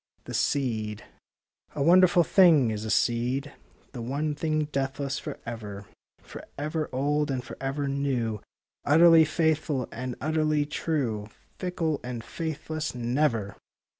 THE SEED A wonderful thing is a seed; The one thing deathless for ever; For ever old and for ever new, Utterly faithful and utterly true — Fickle and faithless never.